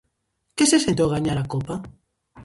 Que se sente ao gañar a copa?